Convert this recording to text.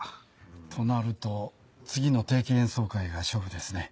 となると次の定期演奏会が勝負ですね。